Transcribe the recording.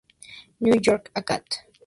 New York Acad.